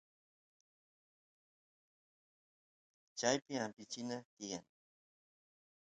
chaypi ampichina tiyan